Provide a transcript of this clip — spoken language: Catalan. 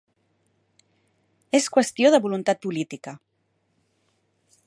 És qüestió de voluntat política.